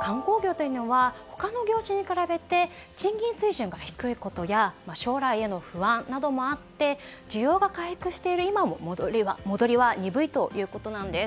観光業というのは他の業に比べて賃金水準が低いことや将来への不安などもあって需要が回復している今も戻りは鈍いということなんです。